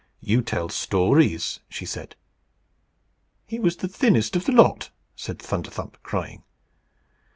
You tell stories," she said. "He was the thinnest of the lot," said Thunderthump, crying.